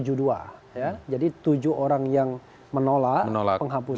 jadi tujuh orang yang menolak penghapusan